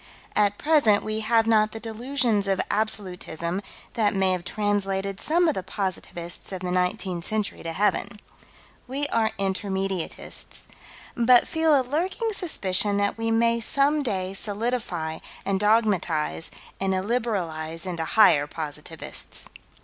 At present we have not the delusions of Absolutism that may have translated some of the positivists of the nineteenth century to heaven. We are Intermediatists but feel a lurking suspicion that we may some day solidify and dogmatize and illiberalize into higher positivists.